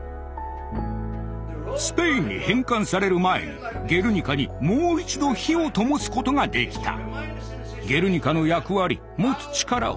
スペインに返還される前に「ゲルニカ」にもう一度火をともすことができた。